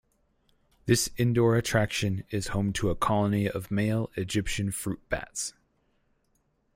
This indoor attraction is home to a colony of male Egyptian fruit bats.